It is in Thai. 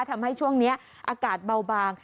ทำให้ช่วงนี้อากาศเบาบาง